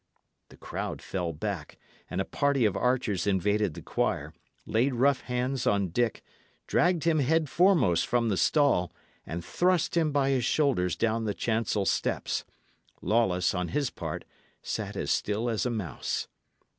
The crowd fell back, and a party of archers invaded the choir, laid rough hands on Dick, dragged him head foremost from the stall, and thrust him by the shoulders down the chancel steps. Lawless, on his part, sat as still as a mouse.